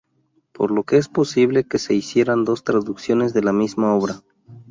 Por lo que es posible que se hicieran dos traducciones de la misma obra.